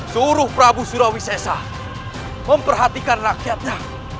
suruh prabu surawi sesa memperhatikan rakyatnya